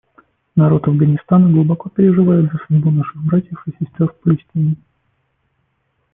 Народ Афганистана глубоко переживает за судьбу наших братьев и сестер в Палестине.